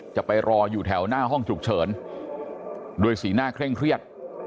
จะไปรออยู่แถวหน้าห้องฉุกเฉินโดยสีหน้าเคร่งเครียด